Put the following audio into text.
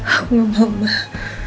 aku gak mau mbak